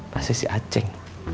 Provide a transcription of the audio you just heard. pasti si aceng